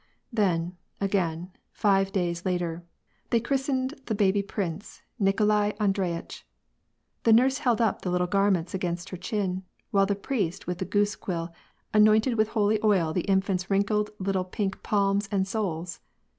Then, again, five days later, they christened the baby prince Nikolai Andreyitch. The nurse held up the little garments against her chin, while the priest, with a goose quill, anointed with holy oil the infant's wrinkled little pink palms and soles.